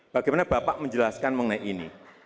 bagaimana bapak menjelaskan mengenai ini